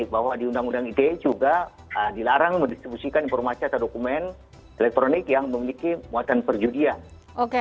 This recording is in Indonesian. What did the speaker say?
bahwa di undang undang ite juga dilarang mendistribusikan informasi atau dokumen elektronik yang memiliki muatan perjudian